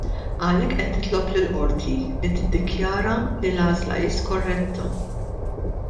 Għalhekk qed titlob lill-Qorti li tiddikjara li l-għażla hi skorretta.